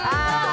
enak loh ya